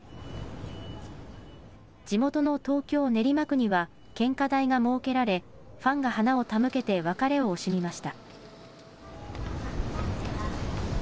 地元の東京練馬区には献花台が設けられファンが花を手向けて別れを惜しみました。